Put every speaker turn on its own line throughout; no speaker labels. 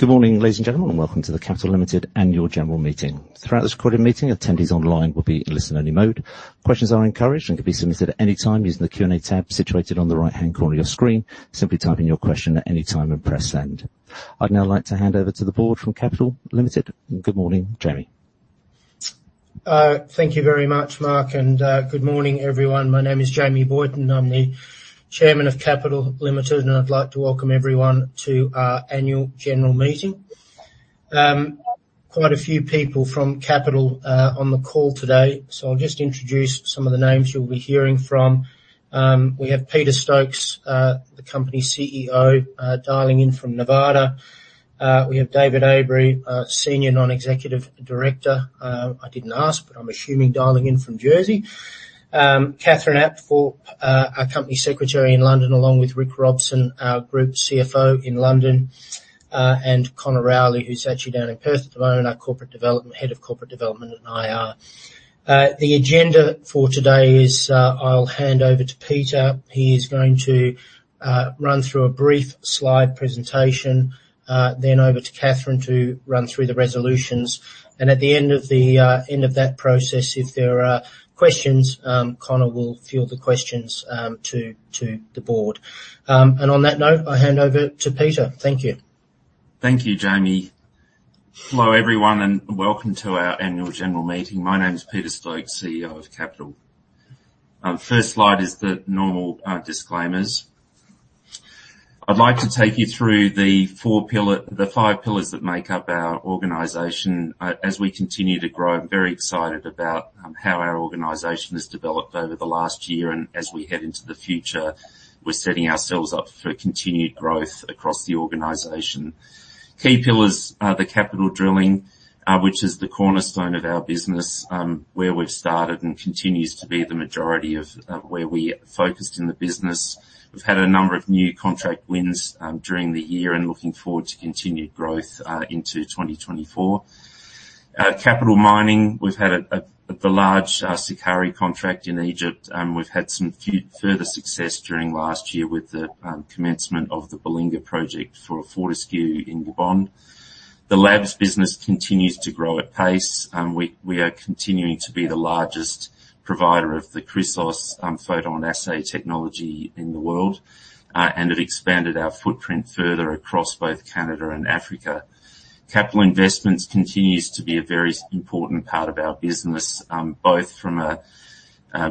Good morning, ladies and gentlemen, and welcome to the Capital Limited Annual General Meeting. Throughout this recorded meeting, attendees online will be in listen-only mode. Questions are encouraged and can be submitted at any time using the Q&A tab situated on the right-hand corner of your screen. Simply type in your question at any time and press Send. I'd now like to hand over to the board from Capital Limited. Good morning, Jamie.
Thank you very much, Mark, and good morning, everyone. My name is Jamie Boyton, and I'm the Chairman of Capital Limited, and I'd like to welcome everyone to our Annual General Meeting. Quite a few people from Capital on the call today, so I'll just introduce some of the names you'll be hearing from. We have Peter Stokes, the company's CEO, dialing in from Nevada. We have David Abery, Senior Non-Executive Director, I didn't ask, but I'm assuming dialing in from Jersey. Catherine Apthorpe, our Company Secretary in London, along with Rick Robson, our Group CFO in London, and Conor Rowley, who's actually down in Perth at the moment, our Head of Corporate Development and IR. The agenda for today is, I'll hand over to Peter. He is going to run through a brief slide presentation, then over to Catherine to run through the resolutions. And at the end of the end of that process, if there are questions, Conor will field the questions to the board. And on that note, I'll hand over to Peter. Thank you.
Thank you, Jamie. Hello, everyone, and welcome to our annual general meeting. My name is Peter Stokes, CEO of Capital. First slide is the normal disclaimers. I'd like to take you through the five pillars that make up our organization. As we continue to grow, I'm very excited about how our organization has developed over the last year, and as we head into the future, we're setting ourselves up for continued growth across the organization. Key pillars are the Capital Drilling, which is the cornerstone of our business, where we've started and continues to be the majority of where we are focused in the business. We've had a number of new contract wins during the year and looking forward to continued growth into 2024. Capital Mining, we've had the large Sukari contract in Egypt, and we've had some few further success during last year with the commencement of the Belinga project for Fortescue in Gabon. The labs business continues to grow at pace, and we are continuing to be the largest provider of the Chrysos PhotonAssay technology in the world, and have expanded our footprint further across both Canada and Africa. Capital Investments continues to be a very important part of our business, both from a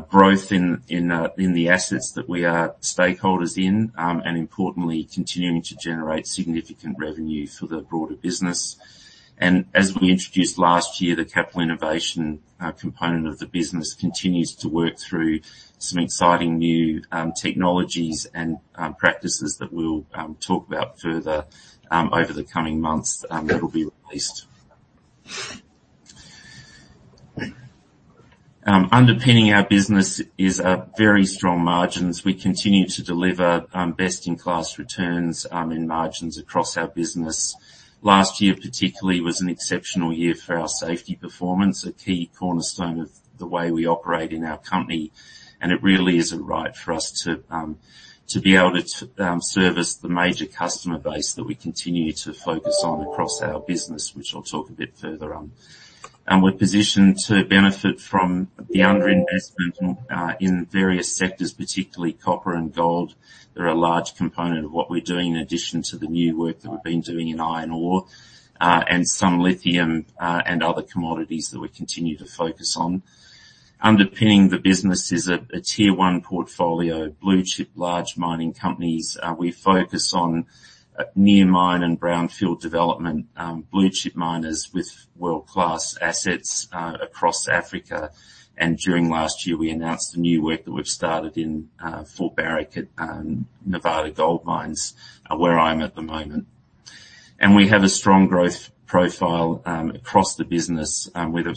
growth in the assets that we are stakeholders in, and importantly, continuing to generate significant revenue for the broader business. As we introduced last year, the Capital Innovation component of the business continues to work through some exciting new technologies and practices that we'll talk about further over the coming months that will be released. Underpinning our business is very strong margins. We continue to deliver best-in-class returns in margins across our business. Last year, particularly, was an exceptional year for our safety performance, a key cornerstone of the way we operate in our company, and it really is a pride for us to be able to service the major customer base that we continue to focus on across our business, which I'll talk a bit further on. We're positioned to benefit from the underinvestment in various sectors, particularly copper and gold. They're a large component of what we're doing, in addition to the new work that we've been doing in iron ore, and some lithium, and other commodities that we continue to focus on. Underpinning the business is a Tier One portfolio, Blue Chip, large mining companies. We focus on, near mine and brownfield development, Blue Chip miners with world-class assets, across Africa. And during last year, we announced the new work that we've started in, for Barrick at, Nevada Gold Mines, where I'm at the moment. And we have a strong growth profile, across the business, with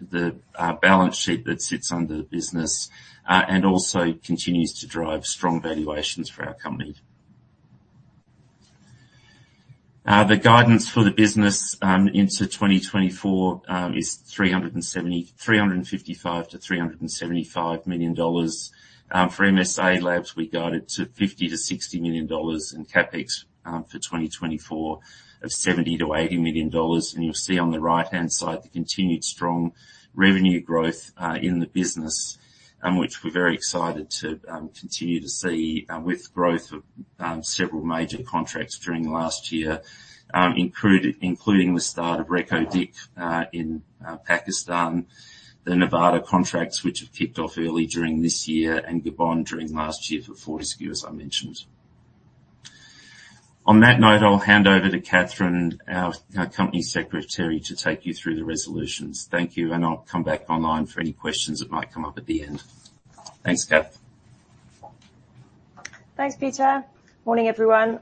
the balance sheet that sits under the business, and also continues to drive strong valuations for our company. The guidance for the business into 2024 is $355 million-$375 million. For MSA Labs, we guided to $50 million-$60 million, and CapEx for 2024 of $70 million-$80 million. You'll see on the right-hand side the continued strong revenue growth in the business, which we're very excited to continue to see, with growth of several major contracts during last year, including the start of Reko Diq in Pakistan, the Nevada contracts, which have kicked off early during this year, and Gabon during last year for Fortescue, as I mentioned. On that note, I'll hand over to Catherine, our company secretary, to take you through the resolutions. Thank you, and I'll come back online for any questions that might come up at the end. Thanks, Cath.
Thanks, Peter. Morning, everyone.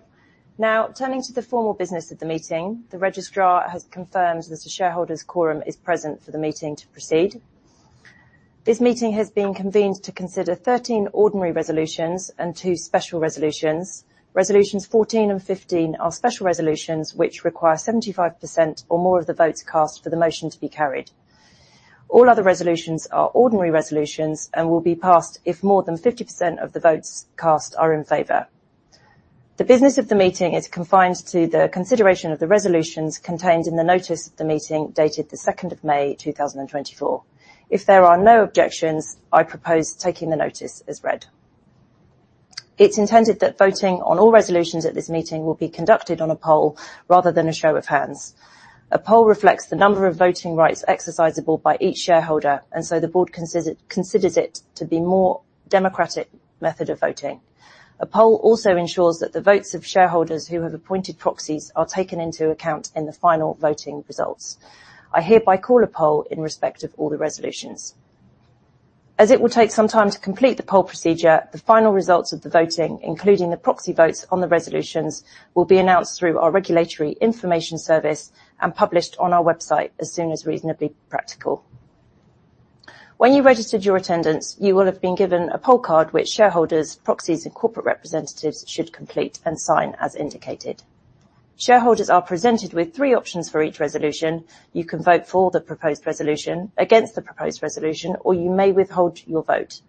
Now, turning to the formal business of the meeting, the registrar has confirmed that the shareholders' quorum is present for the meeting to proceed. This meeting has been convened to consider 13 ordinary resolutions and 2 special resolutions. Resolutions 14 and 15 are special resolutions, which require 75% or more of the votes cast for the motion to be carried.... All other resolutions are ordinary resolutions and will be passed if more than 50% of the votes cast are in favor. The business of the meeting is confined to the consideration of the resolutions contained in the notice of the meeting, dated the 2nd of May, 2024. If there are no objections, I propose taking the notice as read. It's intended that voting on all resolutions at this meeting will be conducted on a poll rather than a show of hands. A poll reflects the number of voting rights exercisable by each shareholder, and so the board considers it to be more democratic method of voting. A poll also ensures that the votes of shareholders who have appointed proxies are taken into account in the final voting results. I hereby call a poll in respect of all the resolutions. As it will take some time to complete the poll procedure, the final results of the voting, including the proxy votes on the resolutions, will be announced through our Regulatory Information Service and published on our website as soon as reasonably practical. When you registered your attendance, you will have been given a poll card which shareholders, proxies, and corporate representatives should complete and sign as indicated. Shareholders are presented with three options for each resolution. You can vote for the proposed resolution, against the proposed resolution, or you may withhold your vote.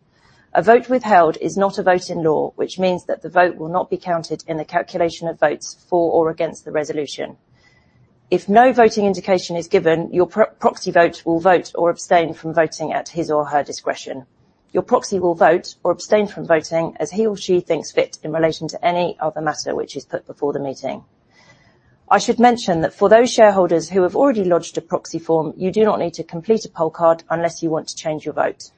A vote withheld is not a vote in law, which means that the vote will not be counted in the calculation of votes for or against the resolution. If no voting indication is given, your proxy vote will vote or abstain from voting at his or her discretion. Your proxy will vote or abstain from voting as he or she thinks fit in relation to any other matter which is put before the meeting. I should mention that for those shareholders who have already lodged a proxy form, you do not need to complete a poll card unless you want to change your vote.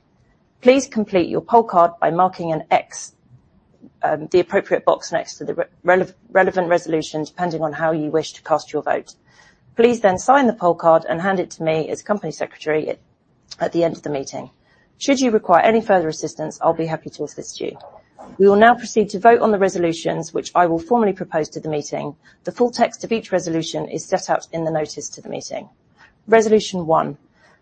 Please complete your poll card by marking an X, the appropriate box next to the relevant resolution, depending on how you wish to cast your vote. Please then sign the poll card and hand it to me as company secretary at the end of the meeting. Should you require any further assistance, I'll be happy to assist you. We will now proceed to vote on the resolutions which I will formally propose to the meeting. The full text of each resolution is set out in the notice to the meeting. Resolution one: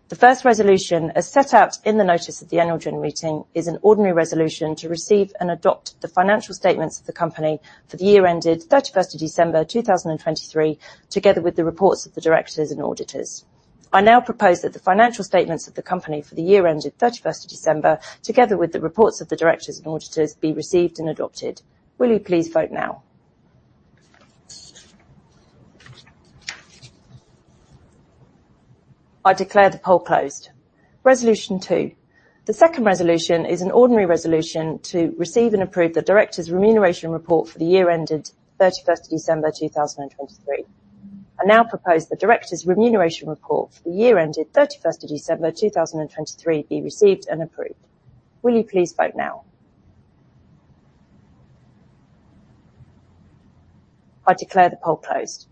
The first resolution, as set out in the notice of the Annual General Meeting, is an ordinary resolution to receive and adopt the financial statements of the company for the year ended 31st December, 2023, together with the reports of the directors and auditors. I now propose that the financial statements of the company for the year ended December 31, together with the reports of the directors and auditors, be received and adopted. Will you please vote now? I declare the poll closed. Resolution 2: The second resolution is an ordinary resolution to receive and approve the directors' remuneration report for the year ended 31st December 2023. I now propose the directors' remuneration report for the year ended 31st December 2023 be received and approved. Will you please vote now? I declare the poll closed.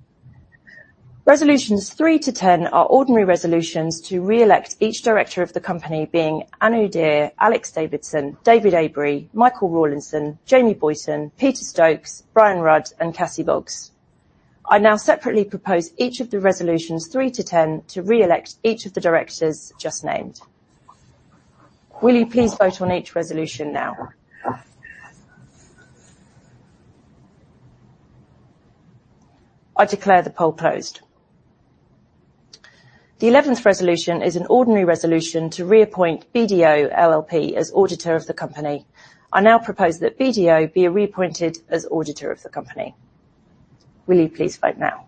Resolutions 3 to 10 are ordinary resolutions to reelect each director of the company, being Anu Dhir, Alexander Davidson, David Abery, Michael Rawlinson, Jamie Boyton, Peter Stokes, Brian Rudd, and Catherine Boggs. I now separately propose each of the resolutions 3-10 to reelect each of the directors just named. Will you please vote on each resolution now? I declare the poll closed. The eleventh resolution is an ordinary resolution to reappoint BDO LLP as auditor of the company. I now propose that BDO be reappointed as auditor of the company. Will you please vote now?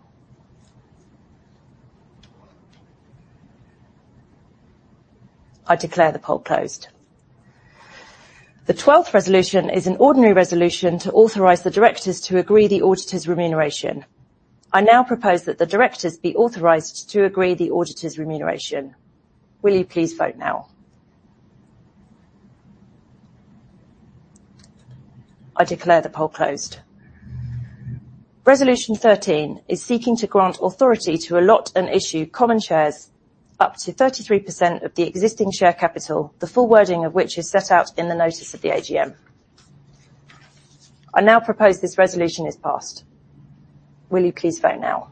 I declare the poll closed. The 12th resolution is an ordinary resolution to authorize the directors to agree the auditor's remuneration. I now propose that the directors be authorized to agree the auditor's remuneration. Will you please vote now? I declare the poll closed. Resolution 13 is seeking to grant authority to allot and issue common shares up to 33% of the existing share capital, the full wording of which is set out in the notice of the AGM. I now propose this resolution is passed. Will you please vote now?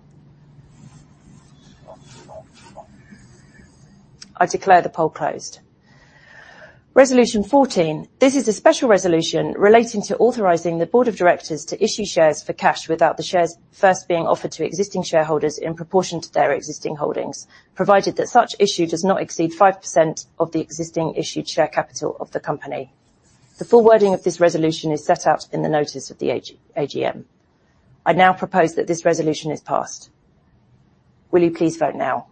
I declare the poll closed. Resolution 14: This is a special resolution relating to authorizing the Board of Directors to issue shares for cash without the shares first being offered to existing shareholders in proportion to their existing holdings, provided that such issue does not exceed 5% of the existing issued share capital of the company. The full wording of this resolution is set out in the notice of the AGM. I now propose that this resolution is passed. Will you please vote now?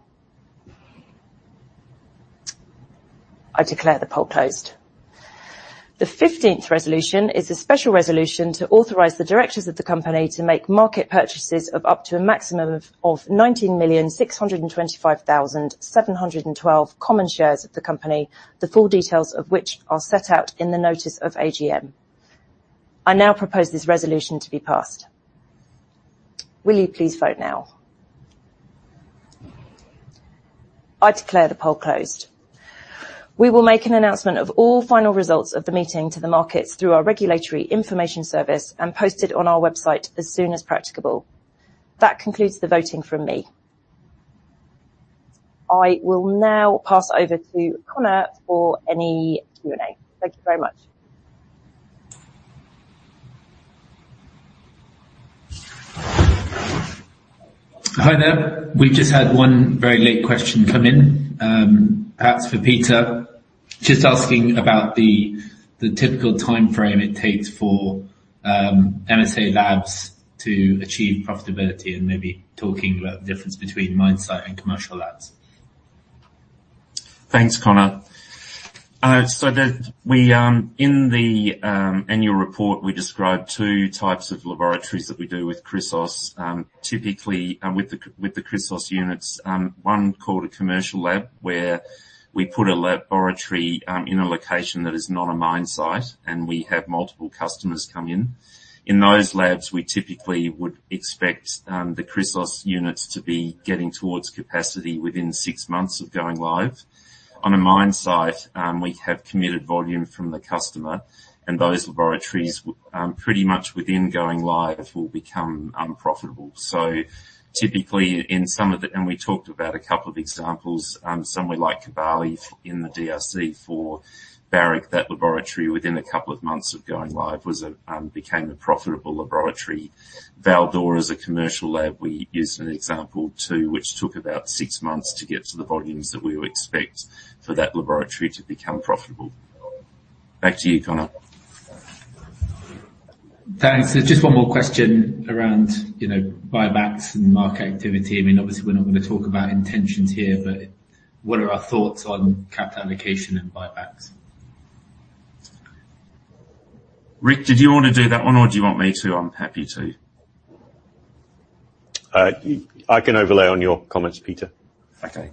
I declare the poll closed. The 15th resolution is a special resolution to authorize the directors of the company to make market purchases of up to a maximum of 19,625,712 common shares of the company, the full details of which are set out in the notice of AGM. I now propose this resolution to be passed. Will you please vote now? I declare the poll closed. We will make an announcement of all final results of the meeting to the markets through our Regulatory Information Service and post it on our website as soon as practicable. That concludes the voting from me. I will now pass over to Conor for any Q&A. Thank you very much.
Hi there. We've just had one very late question come in, perhaps for Peter. Just asking about the typical timeframe it takes for MSALABS to achieve profitability and maybe talking about the difference between mine site and commercial labs.
Thanks, Conor. So, in the annual report, we described two types of laboratories that we do with Chrysos. Typically, with the Chrysos units, one called a commercial lab, where we put a laboratory in a location that is not a mine site, and we have multiple customers come in. In those labs, we typically would expect the Chrysos units to be getting towards capacity within six months of going live. On a mine site, we have committed volume from the customer, and those laboratories pretty much within going live will become profitable. So typically in some of the... And we talked about a couple of examples, somewhere like Kibali in the DRC for Barrick, that laboratory, within a couple of months of going live, became a profitable laboratory. Val-d'Or is a commercial lab. We used an example, too, which took about six months to get to the volumes that we would expect for that laboratory to become profitable. Back to you, Conor.
Thanks. Just one more question around, you know, buybacks and market activity. I mean, obviously, we're not going to talk about intentions here, but what are our thoughts on capital allocation and buybacks?
Rick, did you want to do that one, or do you want me to? I'm happy to.
I can overlay on your comments, Peter.
Okay.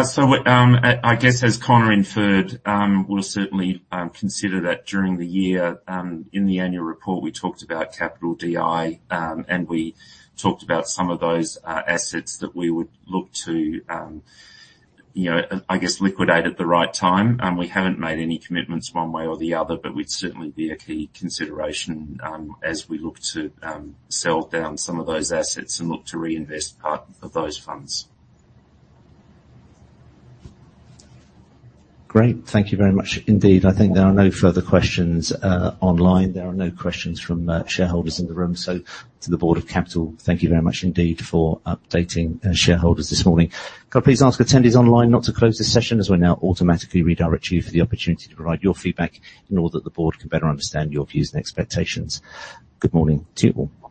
So, I guess, as Conor inferred, we'll certainly consider that during the year. In the annual report, we talked about Capital DI, and we talked about some of those assets that we would look to, you know, I guess, liquidate at the right time. And we haven't made any commitments one way or the other, but we'd certainly be a key consideration, as we look to sell down some of those assets and look to reinvest part of those funds.
Great. Thank you very much, indeed. I think there are no further questions online. There are no questions from shareholders in the room. So to the board of Capital, thank you very much indeed for updating our shareholders this morning. Can I please ask attendees online not to close this session, as we'll now automatically redirect you for the opportunity to provide your feedback in order that the board can better understand your views and expectations. Good morning to you all. Bye-bye.